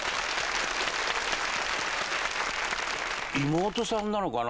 妹さんなのかな。